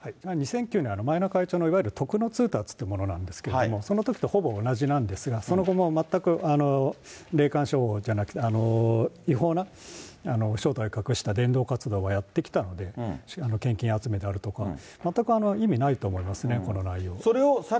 つまり２００９年、前の会長のいわゆるとくの通達というものなんですけれども、そのときとほぼ同じなんですが、その後も全く霊感商法じゃなくて、違法な正体を隠した伝道活動はやってきたので、献金集めであるとか、全く意味ないと思いますね、この内容。